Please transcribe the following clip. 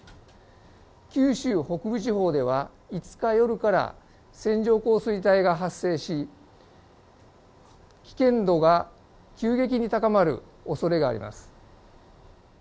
九州北部地方では５日夜から線状降水帯が発生し、危険度が急激に高まるおそれがあります。